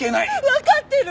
わかってる！